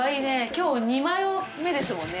今日２マヨめですもんね。